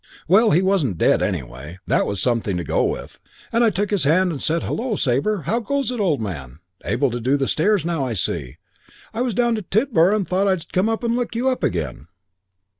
"Well, he wasn't dead, anyway; that was something to go on with. I took his hand and said, 'Hullo, Sabre. How goes it, old man? Able to do the stairs now, I see. I was down to Tidborough and thought I'd come and look you up again.'